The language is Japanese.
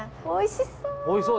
おいしそう。